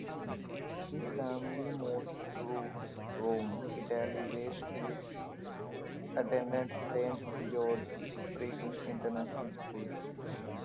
His family moved to Rome, Italy, where Steve attended Saint George's British International School.